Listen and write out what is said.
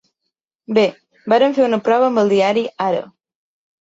Bé, vàrem fer una prova amb el diari Ara.